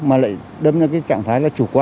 mà lại đâm ra cái trạng thái là chủ quan